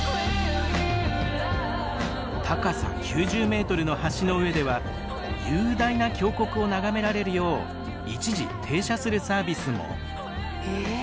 高さ９０ｍの橋の上では雄大な峡谷を眺められるよう一時停車するサービスも。え？